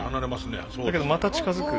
だけどまた近づく。